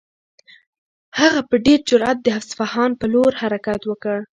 هغه په ډېر جرئت د اصفهان په لور حرکت وکړ.